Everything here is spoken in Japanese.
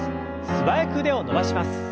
素早く腕を伸ばします。